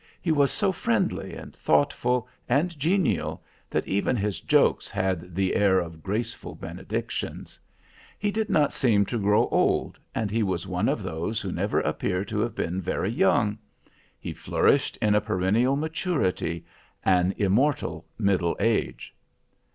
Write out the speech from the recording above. He was so friendly, and thoughtful, and genial, that even his jokes had the air of graceful benedictions. He did not seem to grow old, and he was one of those who never appear to have been very young. He flourished in a perennial maturity, an immortal middle age.